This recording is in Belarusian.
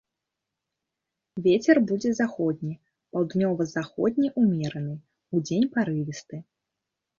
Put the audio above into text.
Вецер будзе заходні, паўднёва-заходні ўмераны, удзень парывісты.